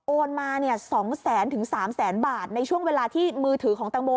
โอนมา๒แสนถึง๓แสนบาทในช่วงเวลาที่มือถือของตังโม